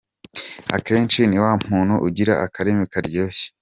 akenshi ni wa muntu ugira akarimi karyoshye.